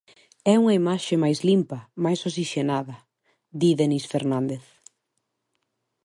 "É unha imaxe máis limpa, máis osixenada", di Denís Fernández.